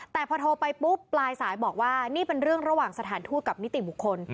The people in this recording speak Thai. แต่พอโทรไปปุ๊บปลายสายบอกว่านี่เป็นเรื่องระหว่างสถานทูตกับนิติบุคคล